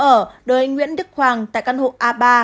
đối với anh nguyễn đức hoàng tại căn hộ a ba một nghìn ba